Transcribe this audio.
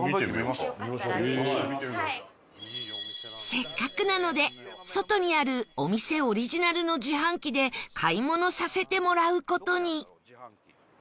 せっかくなので外にあるお店オリジナルの自販機で買い物させてもらう事に